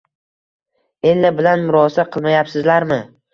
Ella bilan murosa qilmayapsizlarmi